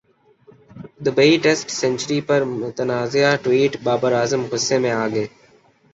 Dubai test century پر متنازع tweet Babar Azam غصہ میں اگئے